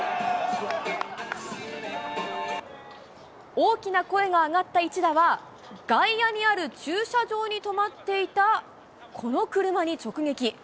大きな声が上がった一打は、外野にある駐車場に止まっていたこの車に直撃。